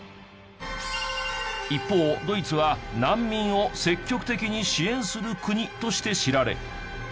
一方ドイツは難民を積極的に支援する国として知られ。